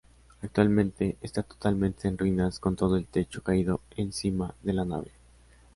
Actualmente está totalmente en ruinas, con todo el techo caído encima de la nave.